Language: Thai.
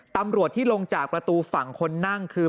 ตำรวจที่ลงจากประตูฝั่งคนนั่งคือ